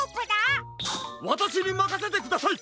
わたしにまかせてください！